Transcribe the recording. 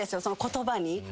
その言葉に。